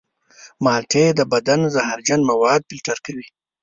مالټې د بدن زهرجن مواد فلتر کوي.